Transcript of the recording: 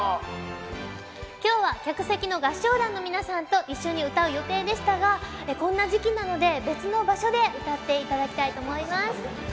今日は客席の合唱団の皆さんと一緒に歌う予定でしたがこんな時期なので別の場所で歌って頂きたいと思います。